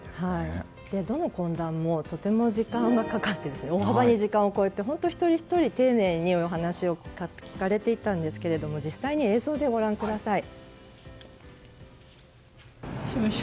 どの懇談もとても時間がかかって大幅に時間を超えて一人ひとり丁寧にお話を聞かれていたんですが実際に映像でご覧ください。